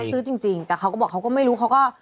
ซื้อจริงแต่เขาก็บอกเขาก็ไม่รู้เขาก็